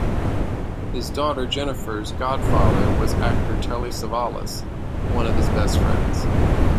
His daughter Jennifer's godfather was actor Telly Savalas, one of his best friends.